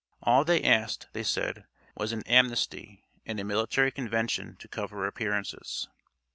All they asked, they said, was an amnesty and a military convention to cover appearances.